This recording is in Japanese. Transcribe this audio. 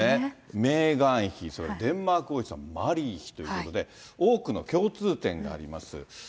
メーガン妃、それからデンマーク王室のマリー妃ということで、多くの共通点があります。